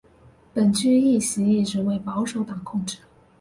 本区议席一直为保守党控制。